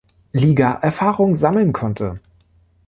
Liga Erfahrung sammeln konnte.